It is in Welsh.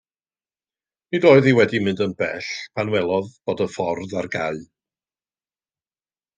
Nid oedd hi wedi mynd yn bell pan welodd bod y ffordd ar gau.